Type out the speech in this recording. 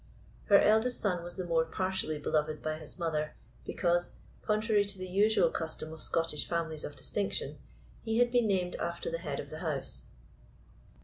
Her eldest son was the more partially beloved by his mother because, contrary to the usual custom of Scottish families of distinction, he had been named after the head of the house.